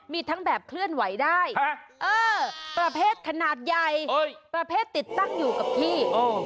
มีทั้งแบบเคลื่อนไหวได้ประเภทขนาดใหญ่ประเภทติดตั้งอยู่กับที่